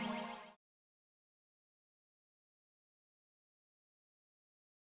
pernah ga ada yang ingin dibayar